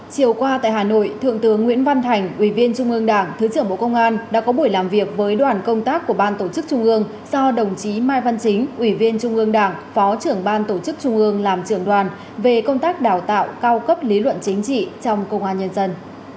chiều qua tại hà nội thượng tướng nguyễn văn thành ủy viên trung ương đảng thứ trưởng bộ công an đã có buổi làm việc với đoàn công tác của ban tổ chức trung ương do đồng chí mai văn chính ủy viên trung ương đảng phó trưởng ban tổ chức trung ương làm trưởng đoàn về công tác đào tạo cao cấp lý luận chính trị trong công an nhân dân